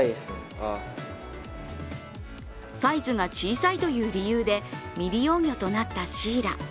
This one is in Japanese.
サイズが小さいという理由で未利用魚となったシイラ。